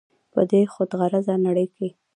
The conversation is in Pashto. په دې خود غرضه نړۍ کښې